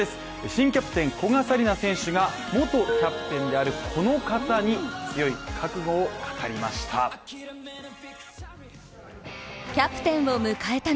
新キャプテン・古賀紗理那選手が元キャプテンであるこの方に強い覚悟を語りました。